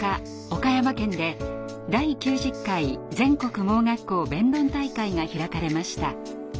岡山県で第９０回全国盲学校弁論大会が開かれました。